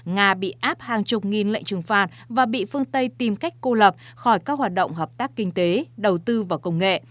nga bị áp hàng chục nghìn lệnh trừng phạt và bị phương tây tìm cách cô lập khỏi các hoạt động hợp tác kinh tế đầu tư và công nghệ